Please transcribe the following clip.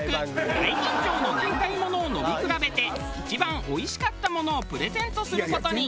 大吟醸の年代ものを飲み比べて一番おいしかったものをプレゼントする事に。